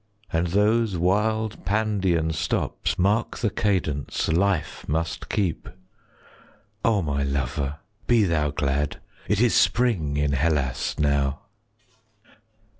And those wild Pandean stops Mark the cadence life must keep. O my lover, be thou glad; 35 It is spring in Hellas now.